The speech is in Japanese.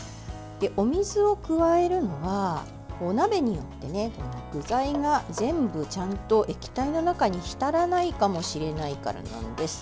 お水を加えるのは鍋によって具材が全部ちゃんと液体の中に浸らないかもしれないからなんです。